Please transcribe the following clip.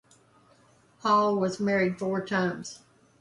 Hall was married four times.